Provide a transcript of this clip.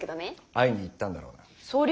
会いに行ったんだろうな？